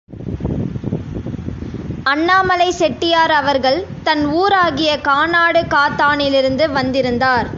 அண்ணாமலை செட்டியார் அவர்கள் தன் ஊராகிய கானாடுகாத்தானிலிருந்து வந்திருந்தார்.